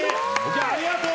ありがとう！